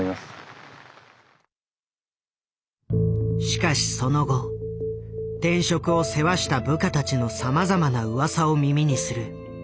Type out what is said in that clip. しかしその後転職を世話した部下たちのさまざまなうわさを耳にする。